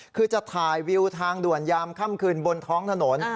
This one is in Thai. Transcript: คือจะถ่ายวิวทางด่วนยามค่ำคืนบนท้องถนน